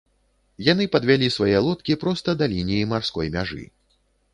Яны падвялі свае лодкі проста да лініі марской мяжы.